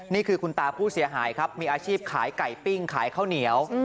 นี่คือคุณตาผู้เสียหายครับมีอาชีพขายไก่ปิ้งขายข้าวเหนียว